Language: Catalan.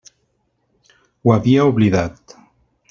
Ho havia oblidat.